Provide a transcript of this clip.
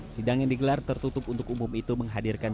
sidang yang digelar tertutup untuk umum itu menghadirkan